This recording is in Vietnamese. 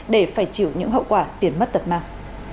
để phải chịu những hậu quả tiền mất tật mang